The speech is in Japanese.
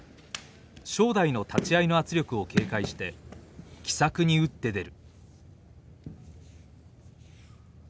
正代の立ち合いの圧力を警戒して奇策に打って出る。